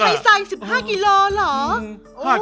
เราต้องใช้ไซส์๑๕กิโลเหรอ